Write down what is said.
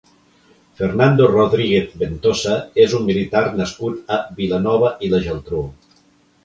Fernando Rodríguez Ventosa és un militar nascut a Vilanova i la Geltrú.